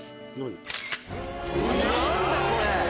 何だこれ！